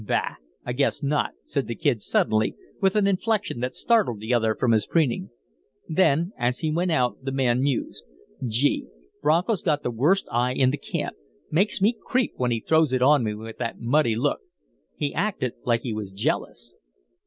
"BAH! I guess not," said the Kid, suddenly, with an inflection that startled the other from his preening. Then, as he went out, the man mused: "Gee! Bronco's got the worst eye in the camp! Makes me creep when he throws it on me with that muddy look. He acted like he was jealous."